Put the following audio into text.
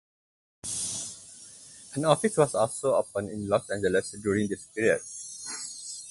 An office was also opened in Los Angeles during this period.